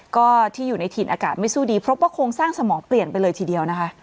ก็ที่อยู่ในถิ่นอากาศไม่สู้ดีพบว่าโครงสร้างสมองเปลี่ยนไปเลยทีเดียวนะคะ